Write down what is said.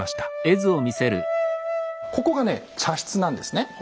ここがね茶室なんですね。